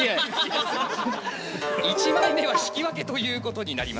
１枚目は引き分けということに。